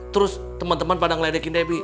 terus temen temen pada ngeledekin debi